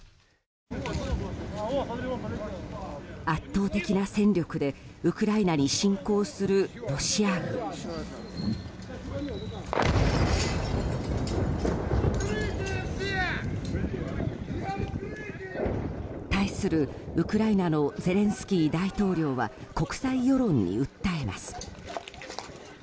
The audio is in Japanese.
圧倒的な戦力でウクライナに侵攻するロシア軍。対するウクライナのゼレンスキー大統領は国際世論に訴えます。